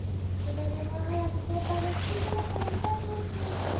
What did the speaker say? だめも早く先輩の指揮姿見たいです。